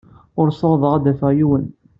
Ur ssawḍeɣ ad d-afeɣ yiwen.